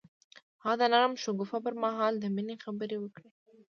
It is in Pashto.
هغه د نرم شګوفه پر مهال د مینې خبرې وکړې.